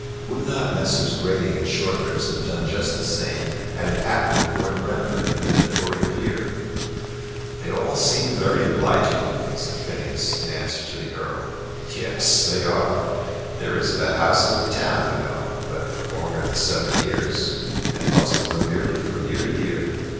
Would not Messrs. Grating and Shortribs have done just the same had it happened that Lord Brentford had been a Tory peer? "They all seemed to be very obliging," said Phineas, in answer to the Earl. "Yes, they are. There isn't a house in the town, you know, let for longer than seven years, and most of them merely from year to year.